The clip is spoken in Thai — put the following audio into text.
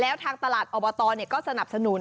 แล้วทางตลาดสนับสนุน